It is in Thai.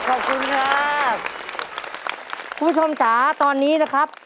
คุณผู้ชมจ๋าตอนนี้นะครับ